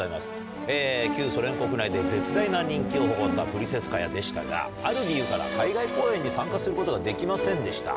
旧ソ連国内で絶大な人気を誇ったプリセツカヤでしたがある理由から海外公演に参加することができませんでした。